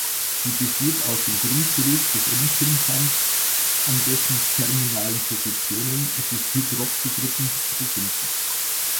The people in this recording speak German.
Sie besteht aus dem Grundgerüst des "n"-Pentans, an dessen terminalen Positionen sich Hydroxygruppen befinden.